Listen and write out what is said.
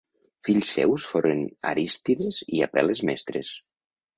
Fills seus foren Arístides i Apel·les Mestres.